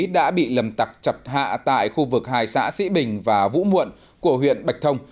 đã bị lầm tặc chặt hạ tại khu vực hai xã sĩ bình và vũ muộn của huyện bạch thông